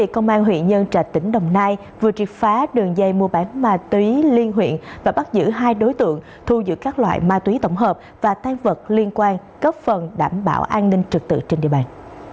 công an huyện nhân trạch tỉnh đồng nai vừa triệt phá đường dây mua bán ma túy liên huyện và bắt giữ hai đối tượng thu giữ các loại ma túy tổng hợp và tai vật liên quan góp phần đảm bảo an ninh trực tự trên địa bàn